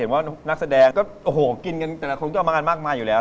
เห็นว่านักแสดงกินกันเต็มตัวบางอันมากอยู่แล้ว